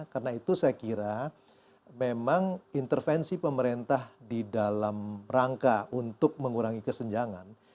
karena itu saya kira memang intervensi pemerintah di dalam rangka untuk mengurangi kesenjangan